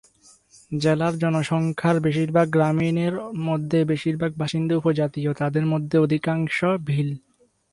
জেলার জনসংখ্যার বেশিরভাগ গ্রামীণ, এর মধ্যে বেশিরভাগ বাসিন্দা উপজাতীয়, তাদের মধ্যে অধিকাংশ ভিল।